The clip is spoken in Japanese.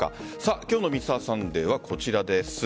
今日の「Ｍｒ．サンデー」はこちらです。